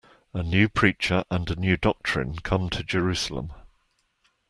A new preacher and a new doctrine come to Jerusalem.